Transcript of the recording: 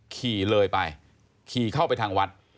ขี่เลยไปขี่เข้าไปทางวัด